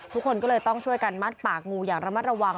ทุกคนก็เลยต้องช่วยกันมัดปากงูอย่างระมัดระวัง